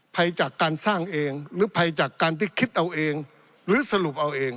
ภัยจากการสร้างเองหรือภัยจากการที่คิดเอาเองหรือสรุปเอาเอง